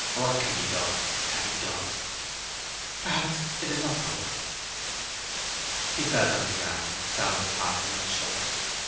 What can be, can be done!' 'Perhaps it is not broken.' He felt on the ground, found the parcel, and shook it.